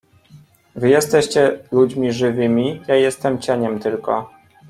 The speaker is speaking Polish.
Wy jesteście ludźmi żywymi… ja jestem cieniem tylko.